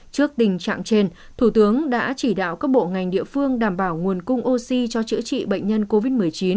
trước tình trạng trên thủ tướng đã chỉ đạo các bộ ngành địa phương đảm bảo nguồn cung oxy cho chữa trị bệnh nhân covid một mươi chín